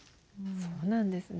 そうなんですね。